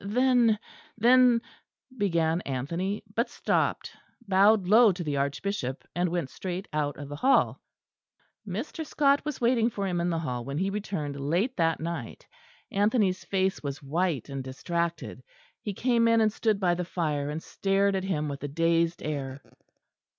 "Then, then, " began Anthony; but stopped; bowed low to the Archbishop and went straight out of the hall. Mr. Scot was waiting for him in the hall when he returned late that night. Anthony's face was white and distracted; he came in and stood by the fire, and stared at him with a dazed air.